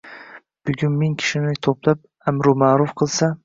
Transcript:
bugun ming kishini to’plab “amri-ma’ruf” qilsa